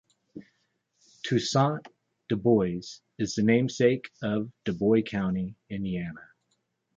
Toussaint Dubois is the namesake of Dubois County, Indiana.